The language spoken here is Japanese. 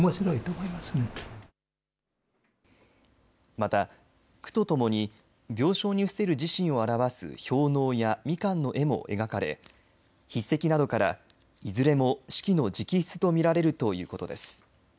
また、句とともに病床に伏せる自身を表す氷のうや、みかんの絵も描かれ筆跡などから、いずれも子規の直筆と見られるということです。